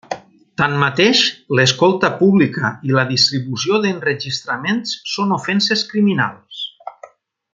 Tanmateix, l'escolta pública i la distribució d'enregistraments són ofenses criminals.